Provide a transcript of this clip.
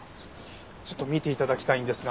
ちょっと見て頂きたいんですが。